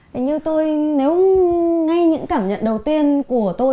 thì như tôi nếu ngay những cảm nhận đầu tiên của tôi